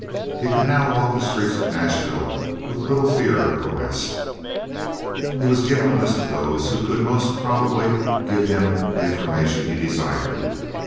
He could now walk the streets of Nashville with little fear of arrest. He was given a list of those who could most probably give him the information he desired.